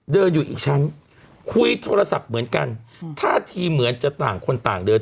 เดินอยู่อีกชั้นคุยโทรศัพท์เหมือนกันท่าทีเหมือนจะต่างคนต่างเดิน